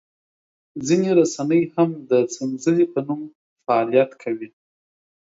ځینې رسنۍ هم د سنځلې په نوم فعالیت کوي.